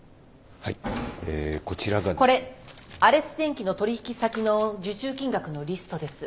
これアレス電機の取引先の受注金額のリストです。